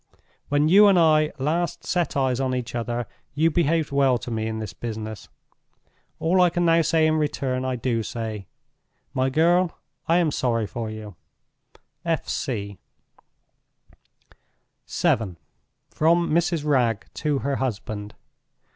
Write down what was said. When you and I last set eyes on each other, you behaved well to me in this business. All I can now say in return, I do say. My girl, I am sorry for you, "F. C." VII. From Mrs. Wragge to her Husband.